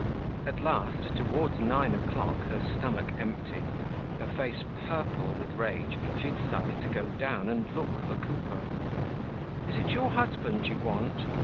At last, towards nine o'clock, her stomach empty, her face purple with rage, she decided to go down and look for Coupeau. "Is it your husband you want?"